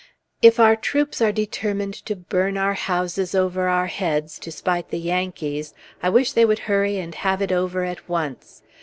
If our troops are determined to burn our houses over our heads to spite the Yankees, I wish they would hurry and have it over at once.